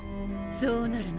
そうなるな。